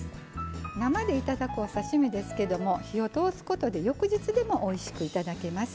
生で頂くお刺身ですけども火を通すことで翌日でもおいしく頂けます。